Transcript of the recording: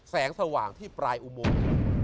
แสงสว่างที่ปลายอุโมง